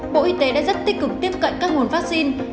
bộ y tế đã rất tích cực tiếp cận các nguồn vaccine